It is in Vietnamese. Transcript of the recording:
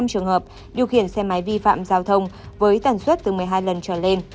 công an huyện đã ghi nhận bốn trăm ba mươi sáu xe máy vi phạm giao thông với tần suất từ một mươi hai lần trở lên